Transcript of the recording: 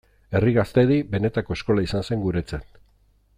Herri Gaztedi benetako eskola izan zen guretzat.